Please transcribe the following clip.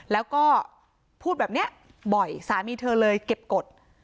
แล้วก็พูดแบบนี้บ่อยสามีเธอเลยเก็บกฎ